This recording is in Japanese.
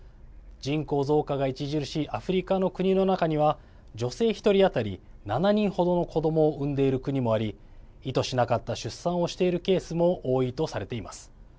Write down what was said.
人口増加が著しいアフリカの国の中には女性１人当たり、７人程の子どもを産んでいる国もあり意図しなかった出産をしているケースも多いとされています。